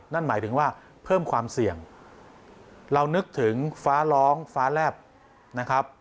นั่นหมายถึงว่าเพิ่มความเสี่ยงเรานึกถึงฟ้าร้องฟ้าแลบนะครับ